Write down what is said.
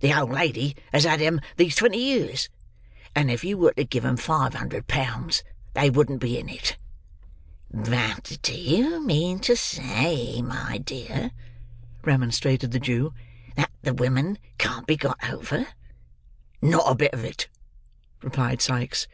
"The old lady has had 'em these twenty years; and if you were to give 'em five hundred pound, they wouldn't be in it." "But do you mean to say, my dear," remonstrated the Jew, "that the women can't be got over?" "Not a bit of it," replied Sikes.